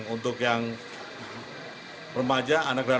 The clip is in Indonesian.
untuk yang bermaja anak muda